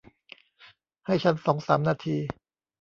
ให้ฉันสองสามนาที